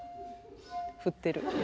振ってる。